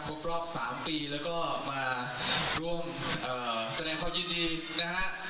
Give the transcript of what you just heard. พบรอบสามปีแล้วก็มาร่วมเอ่อแสดงความยินดีนะฮะ